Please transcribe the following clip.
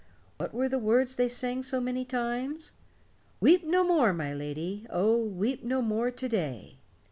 What were the words they sang so many times? "Weep no more, my lady, Oh! weep no more to day."